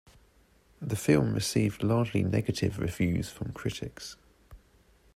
The film received largely negative reviews from critics.